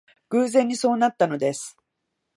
偶然にそうなったのです